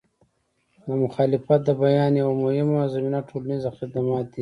د مخالفت د بیان یوه مهمه زمینه ټولنیز خدمات دي.